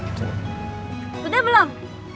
satu lima sepuluh